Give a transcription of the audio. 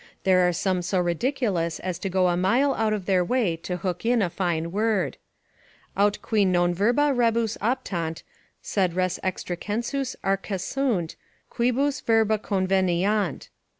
There are some so ridiculous, as to go a mile out of their way to hook in a fine word: "Aut qui non verba rebus aptant, sed res extrinsecus arcessunt, quibus verba conveniant."